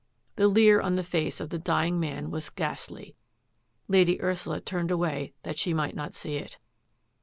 The leer on the face of the dying man was ghastly. Lady Ursula turned away that she might not see it.